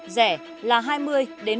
rẻ là hai mươi ba mươi triệu đồng